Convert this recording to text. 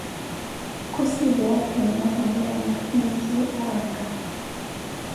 Khusileya thennhya hula ya nakhinzi, araka.